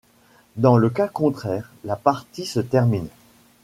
Dans le cas contraire, la partie se termine.